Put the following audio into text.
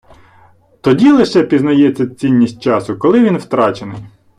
Тоді лише пізнається цінність часу, коли він втрачений.